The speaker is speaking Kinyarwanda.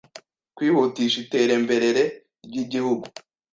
kwihutishe iteremberere ry’Igihugu;